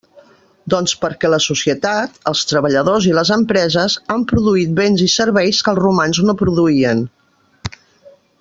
Doncs perquè la societat, els treballadors i les empreses, han produït béns i serveis que els romans no produïen.